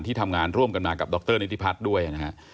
ทำงานร่วมกันมากับดรนิธิพัฒน์ด้วยนะฮะ